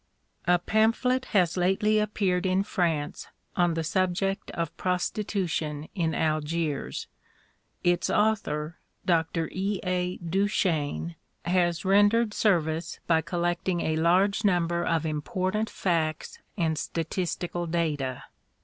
A pamphlet has lately appeared in France on the subject of Prostitution in Algiers. Its author, Dr. E. A. Duchesne, has rendered service by collecting a large number of important facts and statistical data.